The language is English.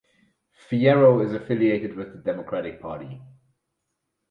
Fierro is affiliated with the Democratic Party.